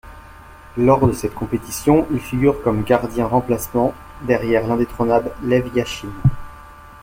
Lors de cette compétition, il figure comme gardien remplaçant derrière l’indétrônable Lev Yachine.